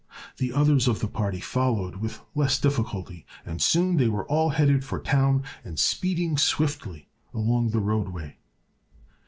The others of the party followed with less difficulty and soon they were all headed for town and speeding swiftly along the roadway.